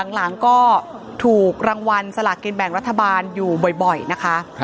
หลังก็ถูกรางวัลสลากินแบ่งรัฐบาลอยู่บ่อยนะคะ